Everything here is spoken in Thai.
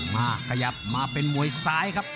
มาขยับมาเป็นมวยซ้ายครับ